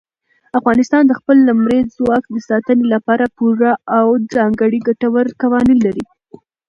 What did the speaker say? افغانستان د خپل لمریز ځواک د ساتنې لپاره پوره او ځانګړي ګټور قوانین لري.